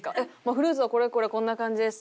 「フルーツはこれこれこんな感じです」。